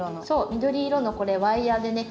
緑色のこれワイヤーでね。